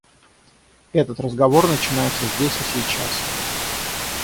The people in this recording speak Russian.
Этот разговор начинается здесь и сейчас.